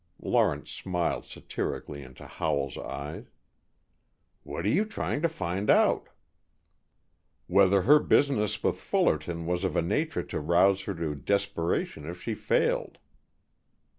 Lawrence smiled satirically into Howell's eyes. "What are you trying to find out?" "Whether her business with Fullerton was of a nature to rouse her to desperation, if she failed."